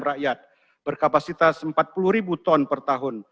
rakyat berkapasitas empat puluh ribu ton per tahun